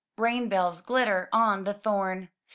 Rain bells glitter on the thorn.